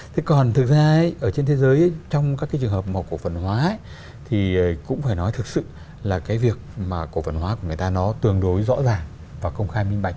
thế còn thực ra ở trên thế giới trong các cái trường hợp mà cổ phần hóa thì cũng phải nói thực sự là cái việc mà cổ phần hóa của người ta nó tương đối rõ ràng và công khai minh bạch